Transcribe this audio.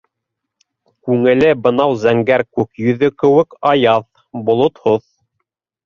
Күңеле бынау зәңгәр күк йөҙө кеүек аяҙ, болотһоҙ.